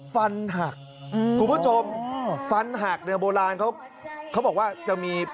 ฟันหักคุณผู้ชมฟันหักเนี่ยโบราณเขาเขาบอกว่าจะมี